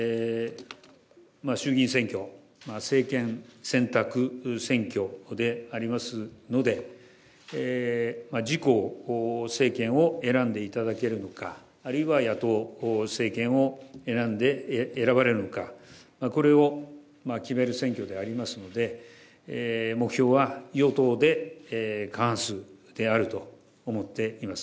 衆議院選挙、政権選択選挙でありますので、自公政権を選んでいただけるのか、あるいは野党政権を選ばれるのか、これを決める選挙でありますので、目標は与党で過半数であると思っています。